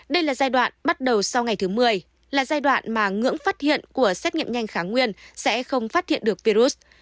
đây là giai đoạn bắt đầu sau ngày thứ một mươi là giai đoạn mà ngưỡng phát hiện của xét nghiệm nhanh kháng nguyên sẽ không phát hiện được virus